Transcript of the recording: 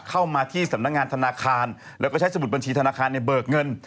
เข้ามาที่สำนักงานธนาคารแล้วก็ใช้สมุดบัญชีธนาคารเนี่ยเบิกเงิน